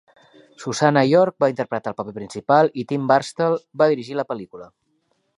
Susannah York va interpretar el paper principal i Tim Burstall va dirigir la pel·lícula.